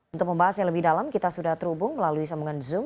untuk membahas yang lebih dalam kita sudah terhubung melalui sambungan zoom